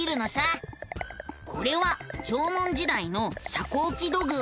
これは縄文時代の遮光器土偶。